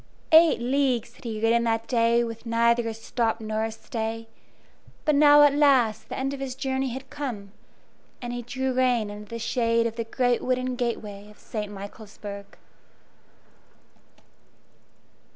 Eight leagues had he ridden that day with neither a stop nor a stay; but now at last the end of his journey had come, and he drew rein under the shade of the great wooden gateway of St. Michaelsburg.